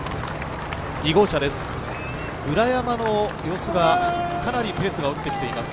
村山の様子が、かなりペースが落ちてきています。